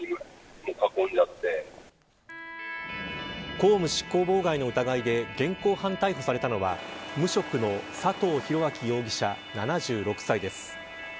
公務執行妨害の疑いで現行犯逮捕されたのは無職の佐藤広明容疑者７６歳です。